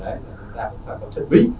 đấy chúng ta cũng phải có chuẩn bị